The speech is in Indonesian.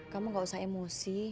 kamu enggak usah emosi